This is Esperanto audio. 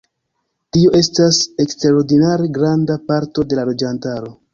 Tio estas eksterordinare granda parto de la loĝantaro.